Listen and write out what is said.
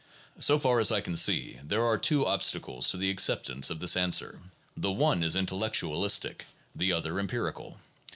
3 So far as I can see there are two obstacles to the acceptance of this answer. The one is intellectualistic, the other empirical.